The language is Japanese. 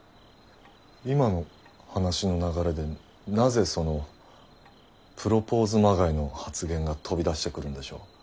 今の話の流れでなぜそのプロポーズまがいの発言が飛び出してくるんでしょう？